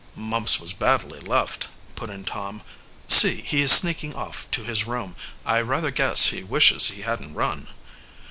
"Mumps was badly left," put in Tom. "See, he is sneaking off to his room. I rather guess he wishes he hadn't run."